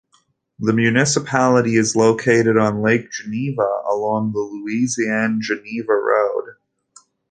The municipality is located on Lake Geneva along the Lausanne-Geneva road.